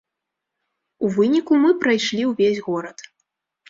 У выніку мы прайшлі ўвесь горад.